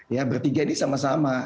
ya bertiga ini sama sama